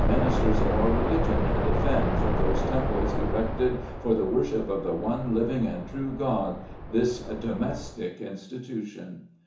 ministers of our religion defend, from those temples erected for the worship of the one living and true God, this "domestic institution!"